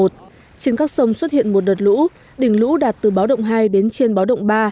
trên các sông xuất hiện một đợt lũ đỉnh lũ đạt từ báo động hai đến trên báo động ba